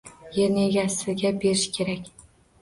Yerni egasiga berish kerak